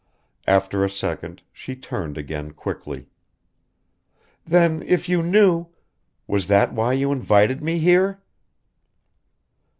After a second she turned again quickly. "Then, if you knew, was that why you invited me here?"